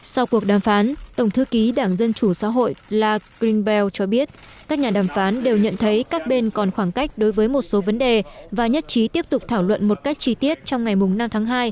sau cuộc đàm phán tổng thư ký đảng dân chủ xã hội la kring bell cho biết các nhà đàm phán đều nhận thấy các bên còn khoảng cách đối với một số vấn đề và nhất trí tiếp tục thảo luận một cách chi tiết trong ngày năm tháng hai